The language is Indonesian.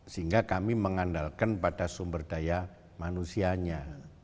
sehingga kami mengandalkan pada sumber daya manusianya